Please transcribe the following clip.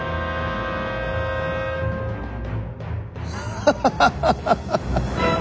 ハハハハハハハ！